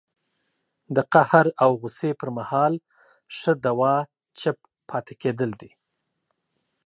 د قهر او غوسې پر مهال ښه دوا چپ پاتې کېدل دي